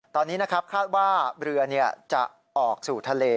ตอนนี้นะครับคาดว่าเรือจะออกสู่ทะเล